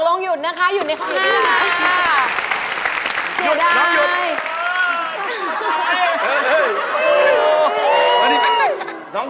ตกลงหยุดนะคะหยุดในข้างหน้าเลยนะคะ